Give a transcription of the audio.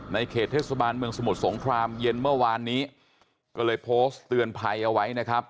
เขตเทศบาลเมืองสมุทรสงครามเย็นเมื่อวานนี้ก็เลยโพสต์เตือนภัยเอาไว้นะครับ